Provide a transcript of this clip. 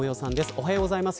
おはようございます。